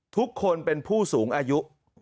ทุกคนเป็นผู้สูงอายุ